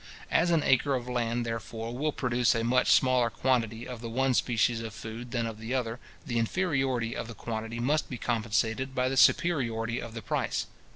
As an acre of land, therefore, will produce a much smaller quantity of the one species of food than of the other, the inferiority of the quantity must be compensated by the superiority of the price.